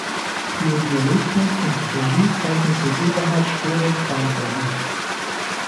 Für Dialogbuch und -regie zeichnete Eberhard Storeck verantwortlich.